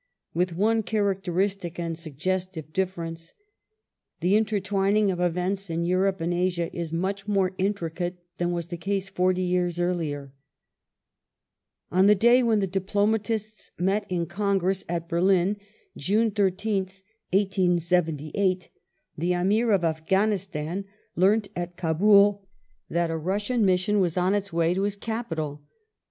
With one characteristic and suggestive difference. The intertwin ing of events in Europe and Asia is much more intricate than was the case forty years earlier. The On the day when the diplomatists met in Congi ess at Berli Russian /j^^^g ^g^ jj lgf^g^ ^^ie Amir of Afghanistan learnt at Kabul that mission ^/''. o to Kabul Russian mission was on its way to his capital.